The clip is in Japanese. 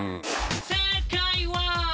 「正解は」